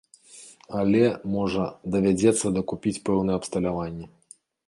Але, можа, давядзецца дакупіць пэўнае абсталяванне.